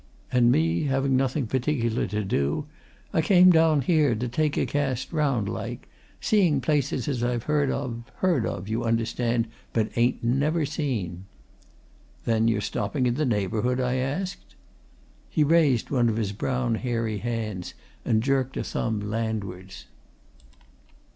And me having nothing particular to do, I came down here to take a cast round, like, seeing places as I've heard of heard of, you understand, but ain't never seen." "Then you're stopping in the neighbourhood?" I asked. He raised one of his brown, hairy hands, and jerked a thumb landwards.